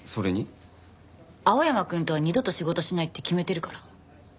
青山くんとは二度と仕事しないって決めてるから。